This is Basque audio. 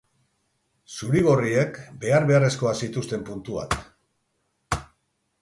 Zuri-gorriek behar-beharrezkoak zituzten puntuak.